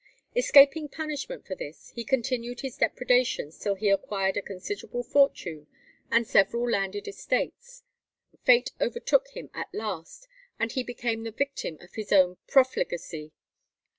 Escaping punishment for this, he continued his depredations till he acquired a considerable fortune and several landed estates. Fate overtook him at last, and he became the victim of his own profligacy.